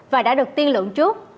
và đã được tiên lượng trước